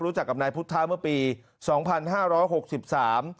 รู้จักกับนายพุทธะเมื่อปีสองพันห้าร้อยหกสิบสาม